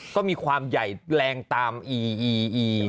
ก็มีความใหญ่แรงตามอีอีอี